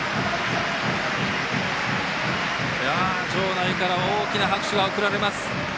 場内から大きな拍手が送られます。